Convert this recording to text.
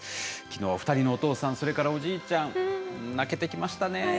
きのう、２人のお父さんそれから、おじいちゃん泣けてきましたね。